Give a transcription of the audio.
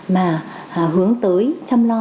mà hướng tới chăm lo